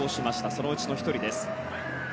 そのうちの１人です。